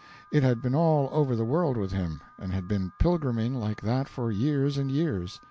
It had been all over the world with him, and had been pilgriming like that for years and years.